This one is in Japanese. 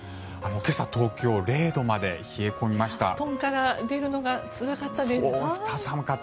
今朝、東京は０度まで冷え込みました。